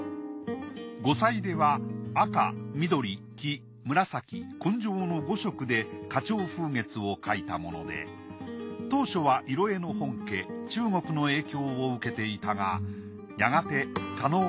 五彩手は赤緑黄紫紺青の５色で花鳥風月を描いたもので当初は色絵の本家中国の影響を受けていたがやがて狩野派や土佐派の画風を取り入れ